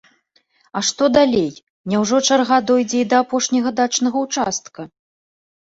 А што далей, няўжо чарга дойдзе і да апошняга дачнага ўчастка?